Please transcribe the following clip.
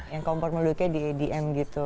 yang kompon melodiknya di edm gitu